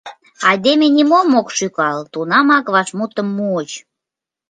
— Айдеме нимом ок шӱкал! — тунамак вашмутым муыч.